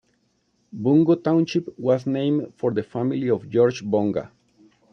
Bungo Township was named for the family of George Bonga.